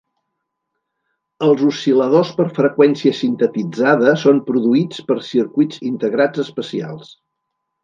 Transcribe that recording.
Els oscil·ladors per freqüència sintetitzada són produïts per circuits integrats especials.